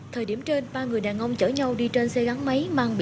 thời điểm trên ba người đàn ông chở nhau đi trên xe gắn máy